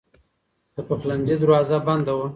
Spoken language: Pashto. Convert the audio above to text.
د پخلنځي دروازه بنده وه.